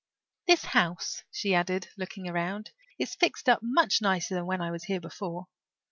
"This house," she added, looking around, "is fixed up much nicer than when I was here before.